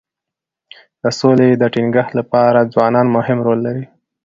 د سولي د ټینګښت لپاره ځوانان مهم رول لري.